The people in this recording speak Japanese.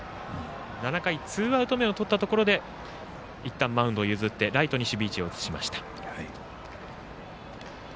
７回ツーアウト目をとったところでいったん、マウンドを譲ってライトに守備位置を移しました。